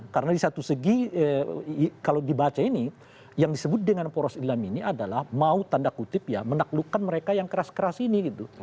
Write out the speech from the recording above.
karena di satu segi kalau dibaca ini yang disebut dengan poros islam ini adalah mau tanda kutip ya menaklukkan mereka yang keras keras ini gitu